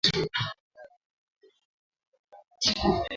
Usifazaike maishani mwako yesu yupo